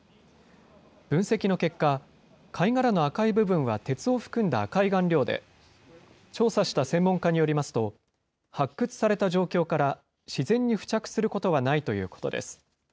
分析の結果、貝殻の赤い部分は鉄を含んだ赤い顔料で、調査した専門家によりますと、発掘された状況から、自然に付着することはないということです。